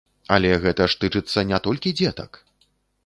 Але гэта ж тычыцца не толькі дзетак!